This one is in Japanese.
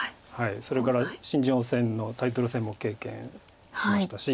それから新人王戦のタイトル戦も経験しましたし。